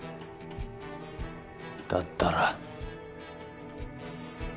だったら？